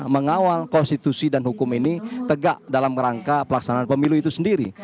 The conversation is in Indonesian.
mengawal konstitusi dan hukum ini tegak dalam rangka pelaksanaan pemilu itu sendiri